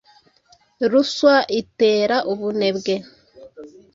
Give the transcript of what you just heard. Ruswa itera ubunebwe,